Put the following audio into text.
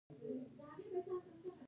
باید په نقشه کې ډیر دقت وشي